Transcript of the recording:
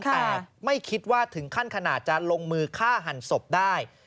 แต่ไม่คิดว่าถึงขั้นขนาดจะลงมือฆ่าหันศพได้